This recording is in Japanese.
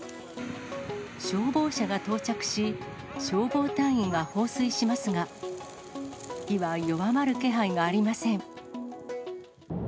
消防車が到着し、消防隊員が放水しますが、火は弱まる気配がありません。